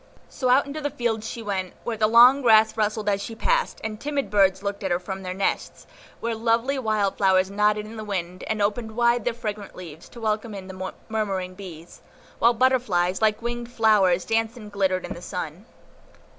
So out into the fields she went, where the long grass rustled as she passed, and timid birds looked at her from their nests; where lovely wild flowers nodded in the wind, and opened wide their fragrant leaves, to welcome in the murmuring bees, while butterflies, like winged flowers, danced and glittered in the sun.